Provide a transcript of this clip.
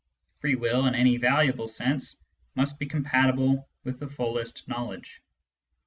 Free will in any valuable sense must be compatible with the fullest knowledge.